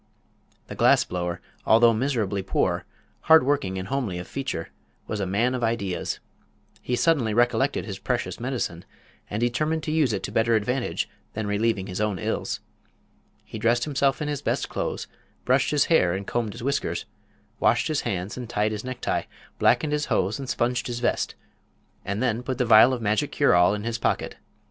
The glass blower, although miserably poor, hard working and homely of feature, was a man of ideas. He suddenly recollected his precious medicine, and determined to use it to better advantage than relieving his own ills. He dressed himself in his best clothes, brushed his hair and combed his whiskers, washed his hands and tied his necktie, blackened his shoes and sponged his vest, and then put the vial of magic cure all in his pocket.